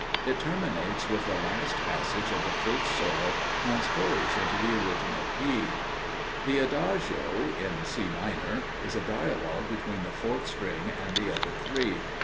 It terminates with the last passage of the first solo transposed into the original key. The adagio (in C minor) is a dialogue between the fourth string and the other three.